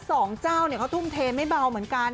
สองเจ้าเนี่ยเขาทุ่มเทไม่เบาเหมือนกัน